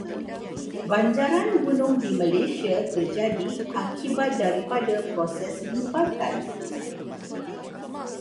Banjaran gunung di Malaysia terjadi akibat daripada proses lipatan.